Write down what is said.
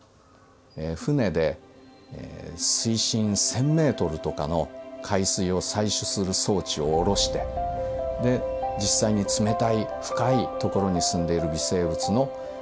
船で水深１，０００メートルとかの海水を採取する装置を降ろしてで実際に冷たい深い所に住んでいる微生物の分析をしているんですね。